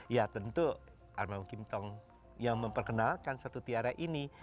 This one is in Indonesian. ya tentu armand kim tong yang memperkenalkan satu tiara ini